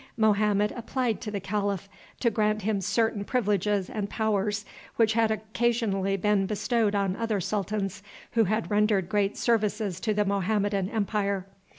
Mohammed applied to the calif to grant him certain privileges and powers which had occasionally been bestowed on other sultans who had rendered great services to the Mohammedan empire.